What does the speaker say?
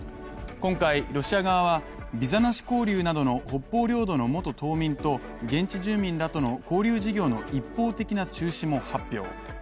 今回、ロシア側はビザなし交流などの北方領土の元島民と現地住民らとの交流事業の一方的な中止も発表。